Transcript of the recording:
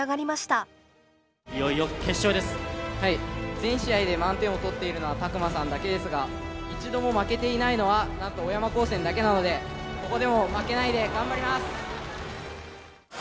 全試合で満点を取っているのは詫間さんだけですが一度も負けていないのはなんと小山高専だけなのでここでも負けないで頑張ります！